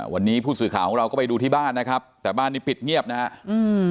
วันนี้ผู้สื่อข่าวของเราก็ไปดูที่บ้านนะครับแต่บ้านนี้ปิดเงียบนะฮะอืม